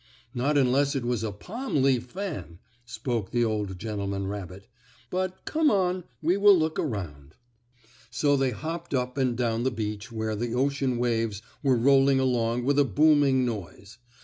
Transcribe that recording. "Not unless it was a palm leaf fan," spoke the old gentleman rabbit. "But come on, we will look around." So they hopped up and down the beach where the ocean waves were rolling along with a booming noise.